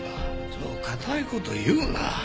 そう堅い事言うな。